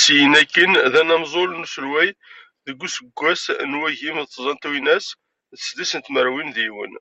Syin akkin d anamzul n uselway deg useggas n wagim d tẓa n twinas d sḍis n tmerwin d yiwen.